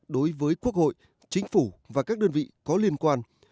đối với quốc hội chính phủ và các đơn vị có liên quan